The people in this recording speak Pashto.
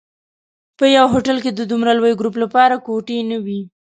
په یوه هوټل کې د دومره لوی ګروپ لپاره کوټې نه وې.